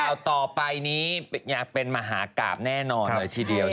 ต่อไปนี้เป็นมหากราบแน่นอนเลยทีเดียว